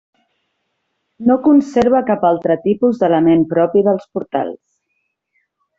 No conserva cap altre tipus d'element propi dels portals.